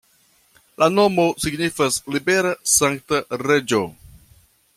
La nomo signifas libera-sankta-reĝo.